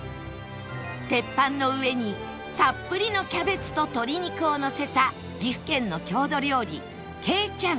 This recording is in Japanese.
鉄板の上にたっぷりのキャベツと鶏肉をのせた岐阜県の郷土料理けいちゃん